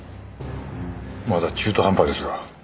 まだ中途半端ですが。